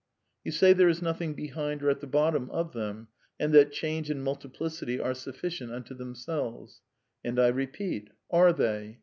You say there is nothing behind or at the bottom of them, and that change and multiplicity are sufficient unto themselves. And I repeat: Are they?